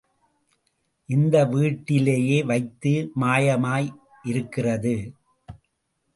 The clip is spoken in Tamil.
இந்த வீட்டிலே வைத்தது மாயமாய் இருக்கிறது.